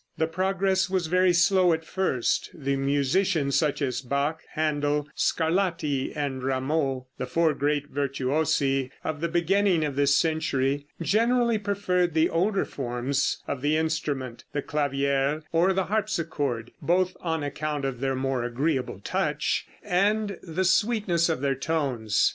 The progress was very slow at first, the musicians such as Bach, Händel, Scarlatti and Rameau, the four great virtuosi of the beginning of this century, generally preferred the older forms of the instrument, the clavier or the harpsichord, both on account of their more agreeable touch and the sweetness of their tones.